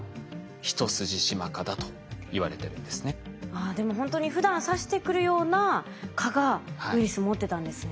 ああでもほんとにふだん刺してくるような蚊がウイルス持ってたんですね。